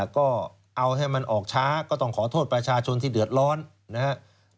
ก็เอาให้มันออกช้าก็ต้องขอโทษประชาชนที่เดือดร้อนนะครับ